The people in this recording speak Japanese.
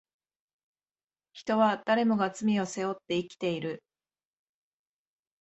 人は誰もが罪を背負って生きている